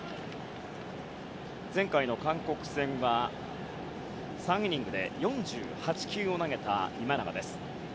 前回の韓国戦は、３イニングで４８球を投げた今永。